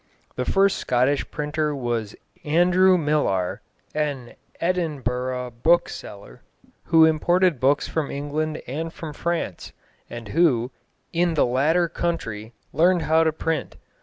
The first Scottish printer was Andrew Myllar, an Edinburgh bookseller, who imported books from England and from France, and who, in the latter country, learned how to print.